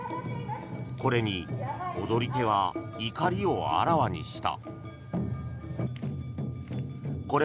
これに踊り手は怒りをあらわにした。